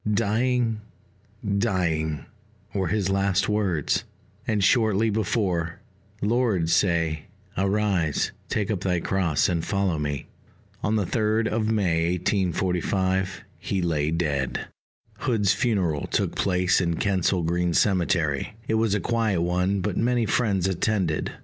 "Dying, dying," were his last words; and shortly before, "Lord, say 'Arise, take up thy cross, and follow me.'" On the 3d of May 1845 he lay dead. Hood's funeral took place in Kensal Green Cemetery: it was a quiet one, but many friends attended.